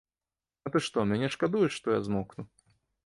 А ты што, мяне шкадуеш, што я змокну.